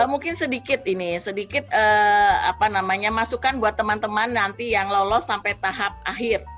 mungkin sedikit ini sedikit masukan buat teman teman nanti yang lolos sampai tahap akhir